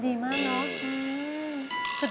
ดีมากเนอะ